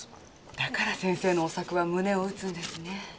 だから先生のお作は胸を打つんですね。